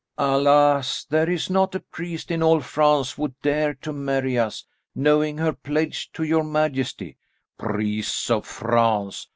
"Alas, there is not a priest in all France would dare to marry us, knowing her pledged to your majesty." "Priests of France!